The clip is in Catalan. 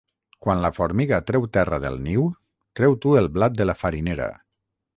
Quan la formiga treu terra del niu, treu tu el blat de la farinera.